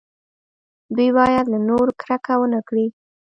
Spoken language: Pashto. دوی باید له نورو کرکه ونه کړي.